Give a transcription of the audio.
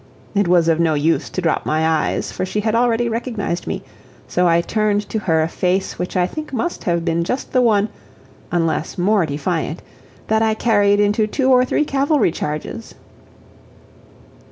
It was of no use to drop my eyes, for she had already recognized me; so I turned to her a face which I think must have been just the one unless more defiant that I carried into two or three cavalry charges.